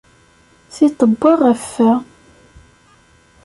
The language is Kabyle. Tiṭ wwa ɣef-fa.